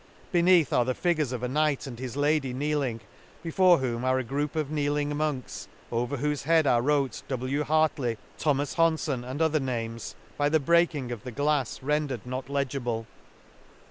— ^Beneath are the figures of a knight and his lady kneeling, before whom are a group of kneeling monks ; over whofe heads are wrote W. Hartley, Tho, Honfon, and other names t by the breaking of the jglafs rendered nof Jegible.